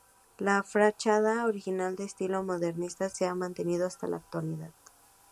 La fachada original, de estilo modernista, se ha mantenido hasta la actualidad.